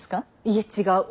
いえ違う。